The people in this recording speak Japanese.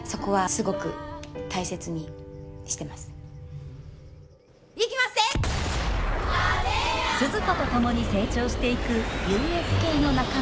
スズ子と共に成長していくＵＳＫの仲間は個性豊か。